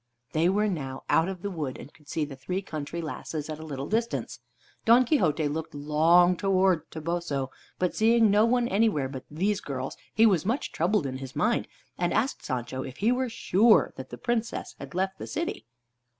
They were now out of the wood, and could see the three country lasses at a little distance. Don Quixote looked long towards Toboso, but seeing no one anywhere but these girls, he was much troubled in his mind, and asked Sancho if he were sure that the Princess had left the city.